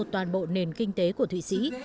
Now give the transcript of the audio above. toàn bộ nền kinh tế của thụy sĩ